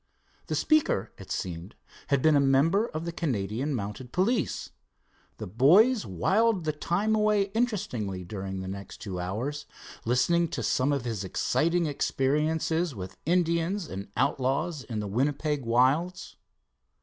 The speaker, it seemed, had been a member of the Canadian mounted police. The boys whiled the time away interestingly during the next two hours, listening to some of, his exciting experiences with Indians and outlaws in the Winnipeg wilds.